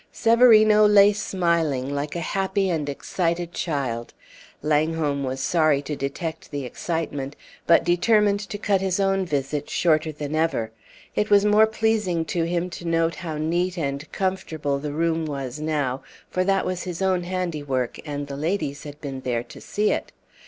Severino lay smiling, like a happy and excited child. Langholm was sorry to detect the excitement, but determined to cut his own visit shorter than ever. It was more pleasing to him to note how neat and comfortable the room was now, for that was his own handiwork, and the ladies had been there to see it.